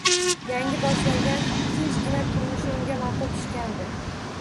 Yangi boshlagan tinchgina turmushi unga ma`qul tushgandi